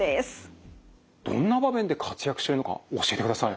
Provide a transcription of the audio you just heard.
どんな場面で活躍してるのか教えてください。